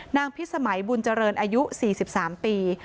พิสมัยบุญเจริญอายุ๔๓ปี